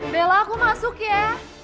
bella aku masuk ya